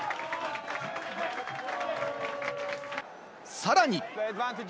さらに。